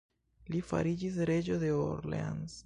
Li fariĝis reĝo de Orleans.